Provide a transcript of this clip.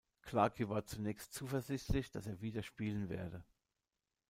Clarke war zunächst zuversichtlich, dass er wieder spielen werde.